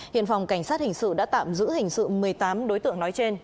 hiện phòng cảnh sát hình sự đã tạm giữ hình sự một mươi tám đối tượng nói trên